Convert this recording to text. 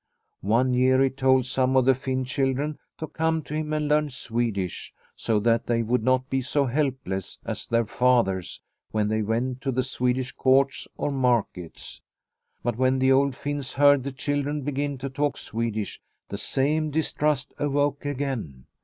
One year he told some of the Finn children to come to him and learn Swedish, so that they would not be so helpless as their fathers The Pastor from Finland 153 when they went to the Swedish courts or markets. But when the old Finns heard the children begin to talk Swedish the same distrust awoke again.